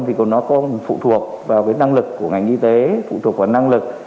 thì nó phụ thuộc vào cái năng lực của ngành y tế phụ thuộc vào năng lực